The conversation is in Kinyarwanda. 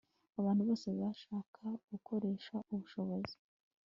abantu bose bashaka gukoresha ubushobozi